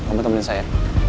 kamu temenin saya